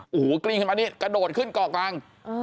โอ้โหกลิ้งขึ้นมานี่กระโดดขึ้นเกาะกลาง